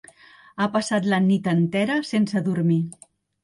Ha passat la nit entera sense dormir.